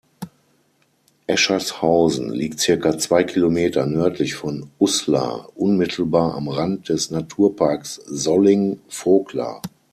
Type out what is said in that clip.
Eschershausen liegt circa zwei Kilometer nördlich von Uslar unmittelbar am Rand des Naturparks Solling-Vogler.